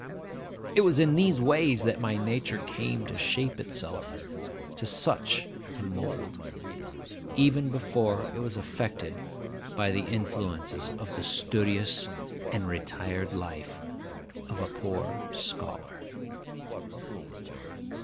It was in these ways that my nature came to shape itself to such a mould, even before it was affected by the influences of the studious and retired life of a poor scholar.